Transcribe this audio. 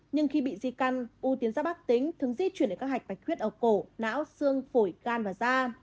nhưng khi bị di căn u tiến giáp bác tính thường di chuyển đến các hạch bạch huyết ở cổ não xương phổi gan và da